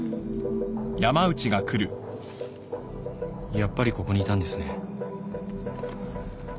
やっぱりここにいたんですね。